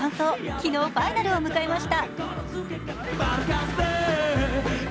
昨日、ファイナルを迎えました。